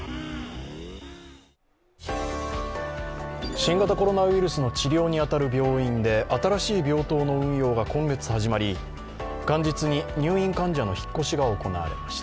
新型コロナウイルスの治療に当たる病院で新しい病棟の運用が今月始まり元日に入院患者の引っ越しが行われました。